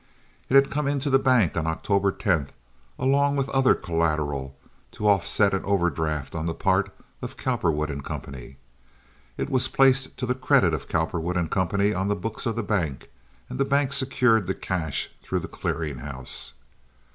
It had come into the bank on October 10th along with other collateral to offset an overdraft on the part of Cowperwood & Co. It was placed to the credit of Cowperwood & Co. on the books of the bank, and the bank secured the cash through the clearing house.